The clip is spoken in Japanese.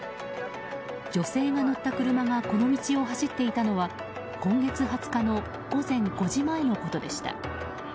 女性が乗った車がこの道を走っていたのは今月２０日の午前５時前のことでした。